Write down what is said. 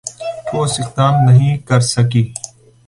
ٹھوس اقدام نہیں کرسکی